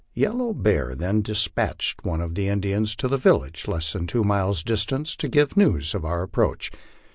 Yellow Bear then despatched one of the Indians to the village, less than two miles distant, to give news of our approach.